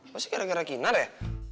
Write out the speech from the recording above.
pasti gara gara kinar ya